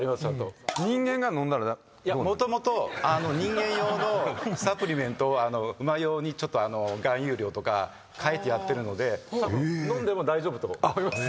もともと人間用のサプリメントを馬用にちょっと含有量とか変えてやってるので飲んでも大丈夫だと思います。